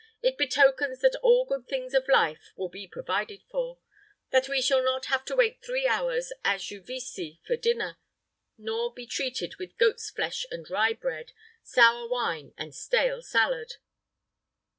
It betokens that all good things of life will be provided for that we shall not have to wait three hours at Juvisy for dinner, nor be treated with goat's flesh and rye bread, sour wine and stale salad."